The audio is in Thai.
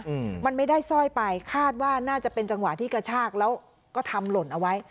อืมมันไม่ได้สร้อยไปคาดว่าน่าจะเป็นจังหวะที่กระชากแล้วก็ทำหล่นเอาไว้